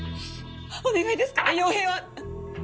お願いですから陽平を。